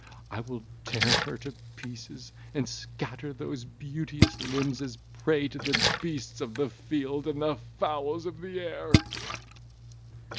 I will tear her to pieces, and scatter those beauteous limbs as a prey to the beasts of the field, and the fowls of the air!"